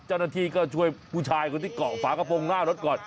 จันนาธีก็ช่วยผู้ชายที่เกาะฝากระโพงลากรถก่อน